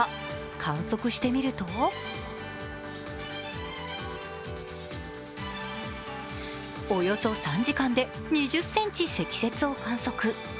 観測してみるとおよそ３時間で２０ｃｍ積雪を観測。